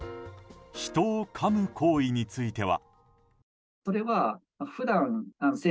人をかむ行為については。